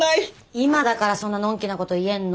今だからそんなのんきなこと言えんの。